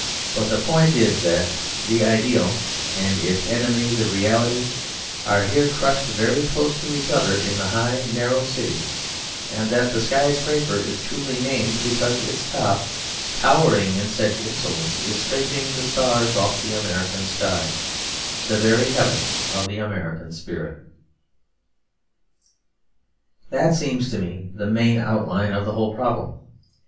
But the point is that the ideal and its enemy the reality are here crushed very close to each other in the high, narrow city; and that the sky scraper is truly named because its top, towering in such insolence, is scraping the stars off the American sky, the very heaven of the American spirit. That seems to me the main outline of the whole problem.